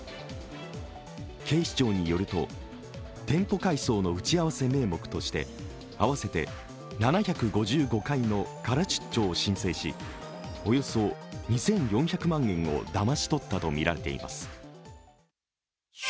警視庁によると、店舗改装の打ち合わせ名目として合わせて７５５回のカラ出張を申請しおよそ２４００万円をだまし取ったとみられています。